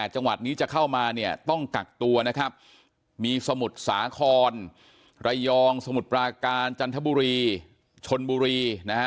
๘จังหวัดนี้จะเข้ามาต้องกักตัวนะครับมีสมุดสาคอนไรยองสมุดปลาการจันทบุรีชนบุรี